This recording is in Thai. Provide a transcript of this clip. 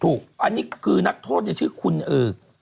ถูกอันนี้คือนักโทษชื่อคุณอือ